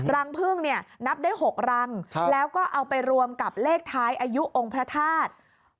รังพึ่งเนี่ยนับได้๖รังแล้วก็เอาไปรวมกับเลขท้ายอายุองค์พระธาตุ